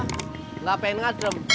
nggak pengen ngadrem